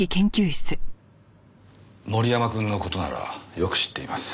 森山くんの事ならよく知っています。